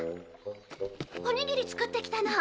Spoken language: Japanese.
おにぎり作ってきたの。